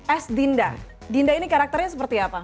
es dinda dinda ini karakternya seperti apa